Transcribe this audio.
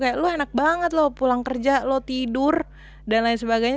kayak lu enak banget lo pulang kerja lo tidur dan lain sebagainya